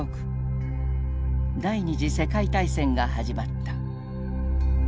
第二次世界大戦が始まった。